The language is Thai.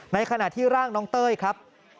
ในขณะที่ร่างน้องเต้ยครับ